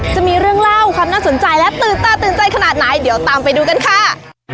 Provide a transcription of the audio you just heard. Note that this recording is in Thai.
จะมีเรื่องเล่าความน่าสนใจและตื่นตาตื่นใจขนาดไหนเดี๋ยวตามไปดูกันค่ะ